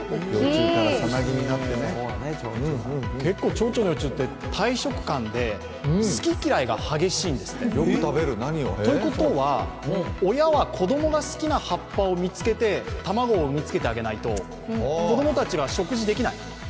結構ちょうちょの幼虫って大食漢で好き嫌いが激しいんですって。ということは、親は子供が好きな葉っぱを見つけて卵を見つけてあげないと子供たちが食事できない。